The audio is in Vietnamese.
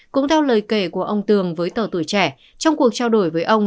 cũng theo lời kể của ông tường với tờ tuổi trẻ trong cuộc trao đổi với ông